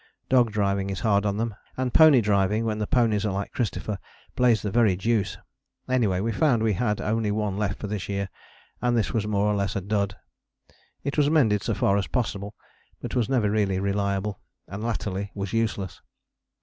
Dog driving is hard on them; and pony driving when the ponies are like Christopher plays the very deuce. Anyway we found we had only one left for this year, and this was more or less a dud. It was mended so far as possible but was never really reliable, and latterly was useless.